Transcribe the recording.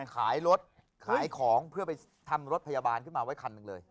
ขายรถขายของเพื่อไปทำรถพยาบาลขึ้นมาไว้คันหนึ่งเลย